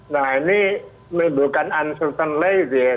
nah ini menimbulkan uncertainty gitu ya